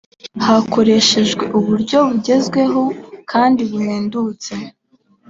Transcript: hakoreshejwe uburyo bugezweho kandi buhendutse